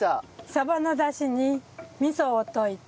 サバの出汁に味噌を溶いて。